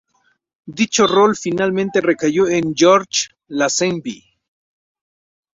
Dicho rol finalmente recayó en George Lazenby.